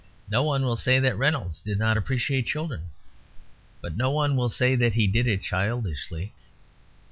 No one will say that Reynolds did not appreciate children; but no one will say he did it childishly.